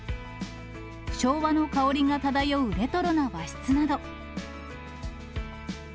昭和の香りが漂うレトロな和室など。